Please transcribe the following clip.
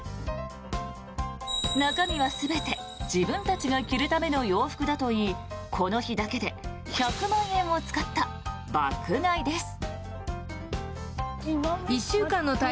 中身は全て自分たちが着るための洋服だといいこの日だけで１００万円を使った爆買いです。